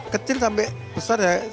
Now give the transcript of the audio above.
kecil sampai besar ya